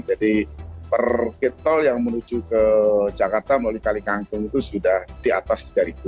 jadi per kitol yang menuju ke jakarta melalui kali kangkung itu sudah di atas tiga ribu